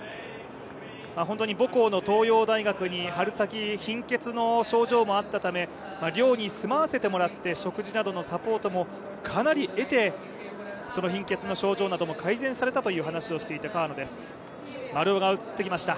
本当に母校の東洋大学に春先貧血の症状もあったため寮に住まわせてもらって、食事などのサポートもかなり得て、貧血の症状なども改善されたという話をしていた川野です。